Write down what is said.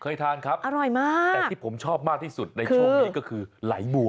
เคยทานครับอร่อยมากแต่ที่ผมชอบมากที่สุดในช่วงนี้ก็คือไหลบัว